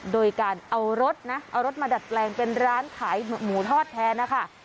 โดยการเอารถนะเอารถมาดัดแปลงเป็นร้านขายหมูทอดแทนนะคะ